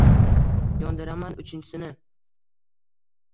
Yondiraman uchinchisini.